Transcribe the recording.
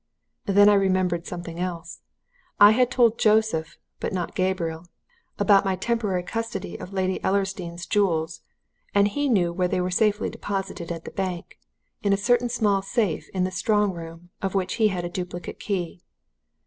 Then I remembered something else. I had told Joseph but not Gabriel about my temporary custody of Lady Ellersdeane's jewels, and he knew where they were safely deposited at the bank in a certain small safe in the strong room, of which he had a duplicate key.